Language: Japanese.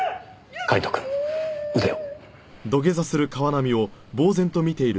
カイトくん腕を。